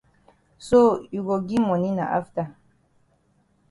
So you go gi moni na afta.